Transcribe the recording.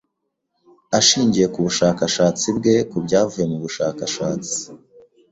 Ashingiye ku bushakashatsi bwe ku byavuye mu bushakashatsi.